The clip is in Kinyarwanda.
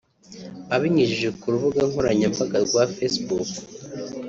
Abinyujije ku rubuga nkoranyambaga rwa Facebook